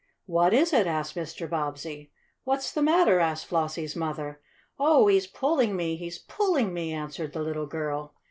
"What is it?" asked Mr. Bobbsey. "What's the matter?" asked Flossie's mother. "Oh, he's pulling me! He's pulling me!" answered the little girl.